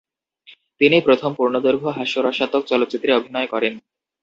তিনি প্রথম পূর্ণদৈর্ঘ্য হাস্যরসাত্মক চলচ্চিত্রে অভিনয় করেন।